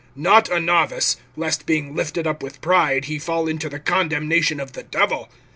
(6)not a novice[3:6], lest being lifted up with pride he fall into the condemnation of the Devil.